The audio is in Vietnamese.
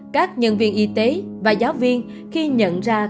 các nhân viên y tế và giáo viên khi nhận ra các dấu vấn